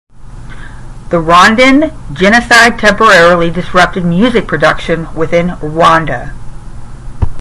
The Rwandan genocide temporarily disrupted music production within Rwanda.